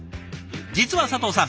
実は佐藤さん